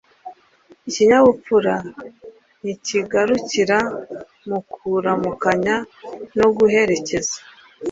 Ikinyabupfura ntikigarukira mu kuramukanya no guherekeza;